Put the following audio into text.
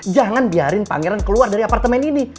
jangan biarin pangeran keluar dari apartemen ini